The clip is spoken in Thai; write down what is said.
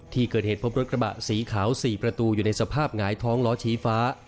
ที่เกิดเหตุพบรถกระบะสีขาว๔ประตูอยู่ในสภาพหงายท้องล้อชี้ฟ้า